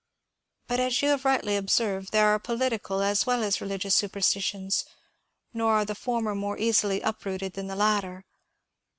But, as you have rightly observed, there are political as well as religious superstitions, nor are the former more easily uprooted than the latter.